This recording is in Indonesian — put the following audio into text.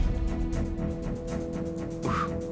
sampai jumpa lagi